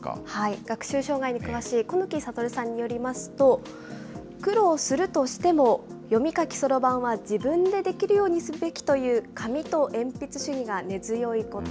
学習障害に詳しい小貫悟さんによりますと、苦労するとしても、読み書きそろばんは自分でできるようにすべきという、紙とえんぴつ主義が根強いこと。